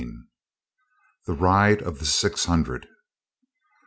THE RIDE OF THE SIX HUNDRED.